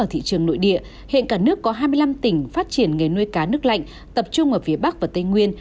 trong nội địa hiện cả nước có hai mươi năm tỉnh phát triển nghề nuôi cá nước lạnh tập trung ở phía bắc và tây nguyên